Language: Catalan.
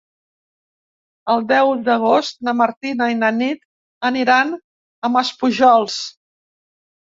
El deu d'agost na Martina i na Nit aniran a Maspujols.